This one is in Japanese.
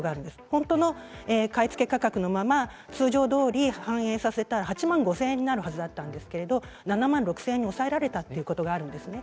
本当の買い付け価格のまま通常通り反映させたら８万５０００円になるはずだったんですけれども７万６０００円に抑えられたことがあるんですね。